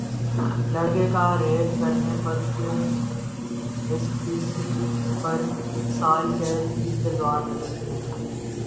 لڑکے کا ریپ کرنے پر کیون اسپیسی پر سال قید کی تلوار لٹکنے لگی